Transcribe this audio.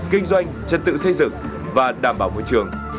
kinh doanh chất tự xây dựng và đảm bảo môi trường